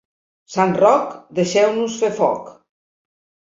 Sant Roc, deixeu-nos fer foc.